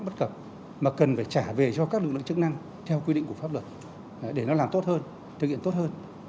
theo quy định của pháp luật để nó làm tốt hơn thực hiện tốt hơn